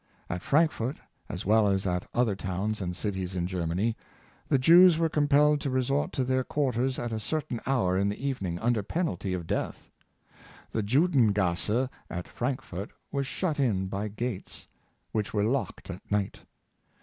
At Frankfort, as well as at other towns and cities in Germany, the Jews were compelled to re sort to their quarters at a certain hour in the evenings under penalty of death. The Juden gasse at Frankfort was shut in by gates, which were locked at night.